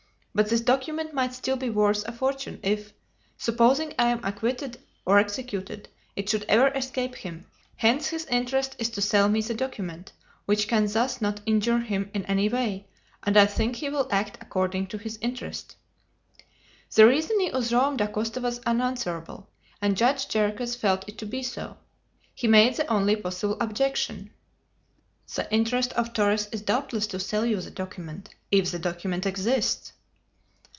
But this document might still be worth a fortune if, supposing I am acquitted or executed, it should ever escape him. Hence his interest is to sell me the document, which can thus not injure him in any way, and I think he will act according to his interest." The reasoning of Joam Dacosta was unanswerable, and Judge Jarriquez felt it to be so. He made the only possible objection. "The interest of Torres is doubtless to sell you the document if the document exists."